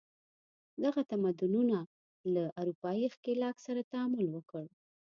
دغه تمدنونو له اروپايي ښکېلاک سره تعامل وکړ.